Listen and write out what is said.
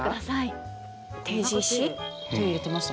手入れてますもんね。